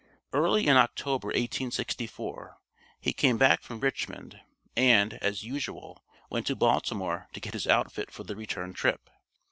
Early in October, 1864, he came back from Richmond, and, as usual, went to Baltimore to get his outfit for the return trip.